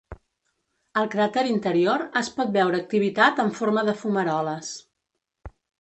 Al cràter interior, es pot veure activitat en forma de fumaroles.